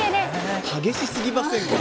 激しすぎませんか。